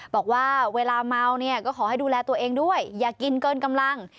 บอกว่าเวลาเมาเนี่ยก็ขอให้ดูแลตัวเองด้วยอย่ากินเกินกำลัง